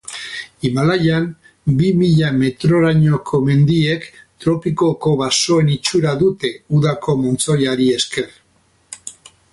Himalaian, bi mila metrorainoko mendiek Tropikoko basoen itxura dute udako montzoiari esker.